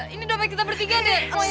ini dompet kita bertiga darren